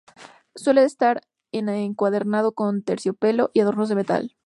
Suele estar encuadernado con terciopelo y adornos de metal.